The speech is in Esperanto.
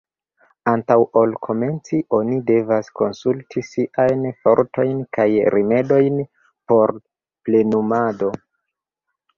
Antaŭ ol komenci, oni devas konsulti siajn fortojn kaj rimedojn por plenumado.